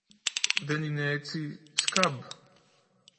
Δεν είναι έτσι, Σκαμπ;